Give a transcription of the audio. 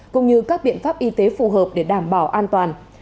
cũng như các biện pháp y tế phù hợp để đảm bảo an toàn